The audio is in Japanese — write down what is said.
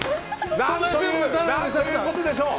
何ということでしょう。